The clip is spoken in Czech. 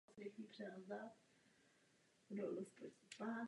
Nad vodopády jsou nebezpečné peřeje.